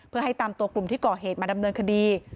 เพื่อให้ตามตัวกลุ่มที่ก่อเหตุมาดำเนินคดี